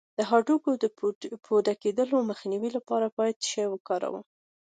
د هډوکو د پوکیدو مخنیوي لپاره باید څه شی وکاروم؟